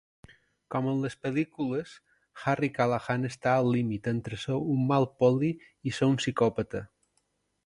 Com en les pel·lícules, Harry Callahan està al límit entre ser un mal poli i ser un psicòpata.